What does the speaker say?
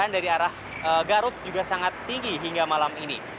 darah garut juga sangat tinggi hingga malam ini